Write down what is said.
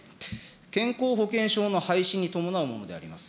健康保険証の廃止に伴うものであります。